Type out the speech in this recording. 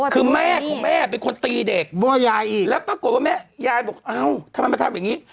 คือแม่ของแม่เป็นคนตีเด็กพ่อยายอีกแล้วปรากฏว่าแม่ยายบอกเอ้าทำไมมาทำอย่างนี้